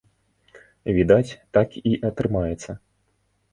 Відаць, так і атрымаецца.